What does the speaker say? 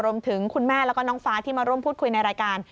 รวมถึงคุณแม่และน้องฟ้าที่มาร่วมพูดคุยในรายการ